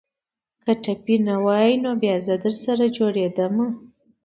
که ټپي نه واى نو بيا به زه درسره جوړېدم.